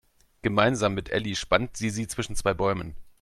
Gemeinsam mit Elli spannt sie sie zwischen zwei Bäumen.